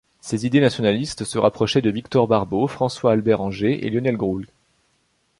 Ses idées nationalistes se rapprochaient de Victor Barbeau, François-Albert Angers et Lionel Groulx.